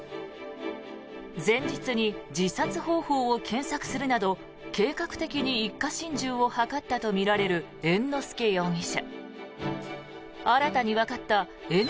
前日に自殺方法を検索するなど計画的に一家心中を図ったとみられる猿之助容疑者。